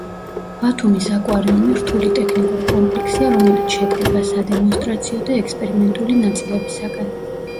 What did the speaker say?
ბათუმის აკვარიუმი რთული ტექნიკური კომპლექსია, რომელიც შედგება სადემონსტრაციო და ექსპერიმენტული ნაწილებისაგან.